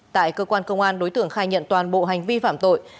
tại cơ quan công an đối tượng khai nhận toàn bộ hành vi phạm tội